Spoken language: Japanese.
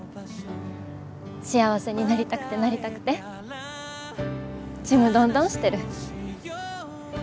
幸せになりたくてなりたくてちむどんどんしてる。